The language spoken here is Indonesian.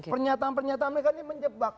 pernyataan pernyataan mereka ini menjebak